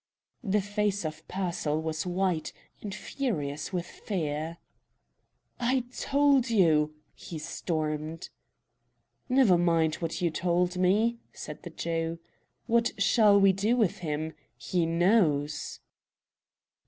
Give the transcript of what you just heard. The face of Pearsall was white, and furious with fear. "I told you " he stormed. "Never mind what you told me," said the Jew. "What shall we do with him? He knows!"